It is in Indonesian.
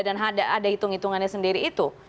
dan ada hitung hitungannya sendiri itu